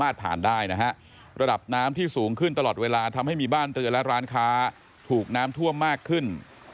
ถูกน้ำท่วมมากขึ้น